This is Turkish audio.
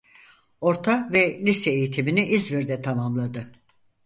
Orta ve lise eğitimini İzmir'de tamamladı.